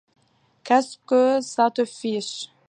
Qu’est-ce que ça te fiche?